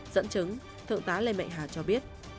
dẫn chứng thượng tá lê mạnh hà cho biết